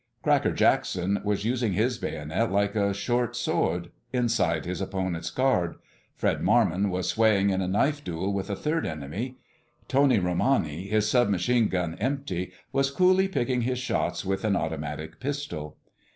Cracker Jackson was using his bayonet like a short sword—inside his opponent's guard. Fred Marmon was swaying in a knife duel with a third enemy. Tony Romani, his sub machine gun empty, was coolly picking his shots with an automatic pistol.